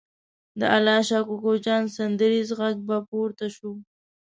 د الله شا کوکو جان سندریزه غږ به پورته شو.